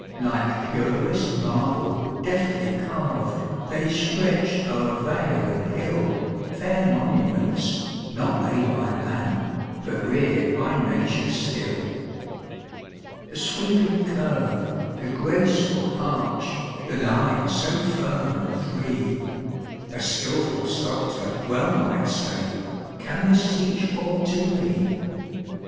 Like purest marble, deftly carv'd, They stretch o'er vale and hill, Fair monuments, not made by man, But rear'd by nature's skill. The sweeping curve, the graceful arch, The line so firm and free; A skilful sculptor well might say: "Can this teach aught to me?"